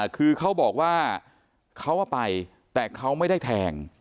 คือเขาบอกว่าเขาไปแต่เขาไม่ได้แทง